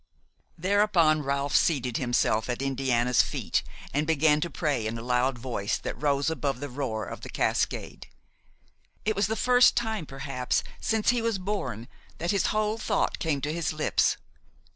Thereupon, Ralph seated himself at Indiana's feet and began to pray in a loud voice that rose above the roar of the cascade. It was the first time perhaps since he was born that his whole thought came to his lips.